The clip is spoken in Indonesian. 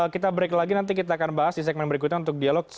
kita break lagi nanti kita akan bahas di segmen berikutnya untuk dialog